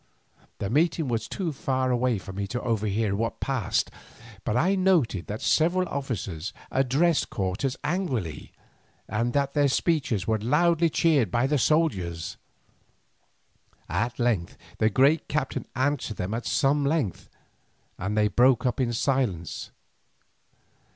The meeting was too far away for me to overhear what passed, but I noted that several officers addressed Cortes angrily, and that their speeches were loudly cheered by the soldiers. At length the great captain answered them at some length, and they broke up in silence.